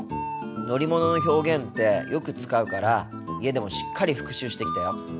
乗り物の表現ってよく使うから家でもしっかり復習してきたよ。